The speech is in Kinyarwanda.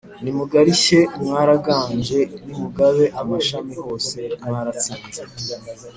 nimugarishye mwaraganje: nimugabe amashami hose mwaratsinze